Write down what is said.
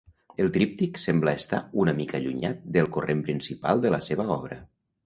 El tríptic sembla estar una mica allunyat del corrent principal de la seva obra.